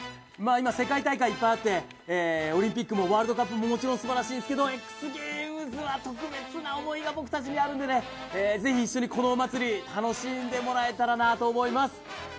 今、世界大会いっぱいあってオリンピックもワールドカップももちろんすばらしいんですけど、ＸＧＡＭＥＳは特別な思いが僕たちにあるんでね、ぜひ一緒にこのお祭り楽しんでもらえたらなと思います。